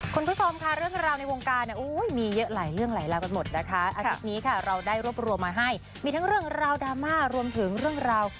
คนผู้ชมค่ะเรื่องราวในวงกา